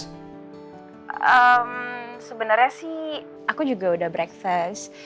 ehm sebenarnya sih aku juga udah breakfast